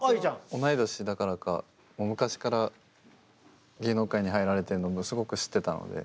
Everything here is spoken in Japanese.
同い年だからかもう昔から芸能界に入られてるのもすごく知ってたので。